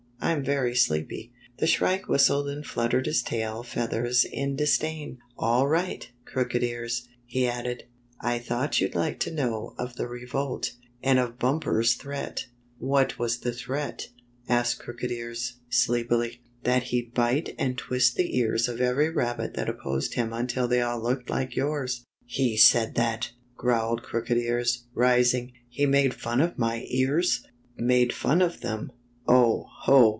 I'm very sleepy." The Shrike whistled and fluttered his tail feathers in disdain. " All right. Crooked Ears," The Work of Shrike the Butcher Bird 6$ he added, " I thought you'd like to know of the revolt, and of Bumper's threat." " What was his threat? " asked Crooked Ears, sleepily, "That he'd bite and twist the ears of every* rabbit that opposed him until they all looked like yours." " He said that! " growled Crooked Ears, rising. " He made fun of my ears !" "Made fun of them! Oh! Ho!